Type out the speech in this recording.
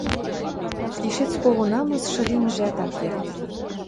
Тишец кого намысшы линжӓт ак керд.